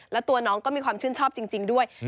แล้วตัวน้องก็มีความชื่นชอบจริงด้วย